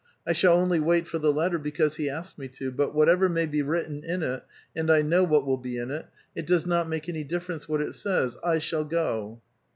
I shall only wait for the letter l)ecause he asked me to. But whatever may be writ ten in it, — and I know what will be in it, — It does not make any difference what it says, I shall go."